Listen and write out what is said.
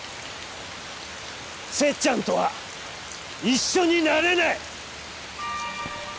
せっちゃんとは一緒になれない